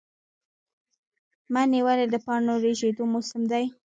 منی ولې د پاڼو ریژیدو موسم دی؟